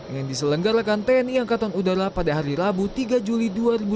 yang diselenggarakan tni angkatan udara pada hari rabu tiga juli dua ribu dua puluh